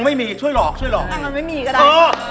มีค่ะมีค่ะ